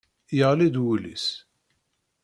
Yeɣli-d wul-is.